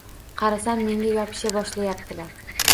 Qarasam, menga yopisha boshlayaptilar.